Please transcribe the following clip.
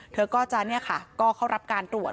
เธอก็จะก็เข้ารับการตรวจ